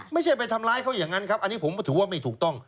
ไม่ใช่ไปทำร้ายเขาอย่างนั้นครับอันนี้ผมถือว่าไม่ถูกต้อง